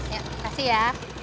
yuk kasih ya